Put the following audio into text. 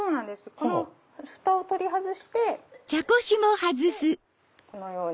このふたを取り外してそしてこのように。